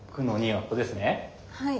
はい。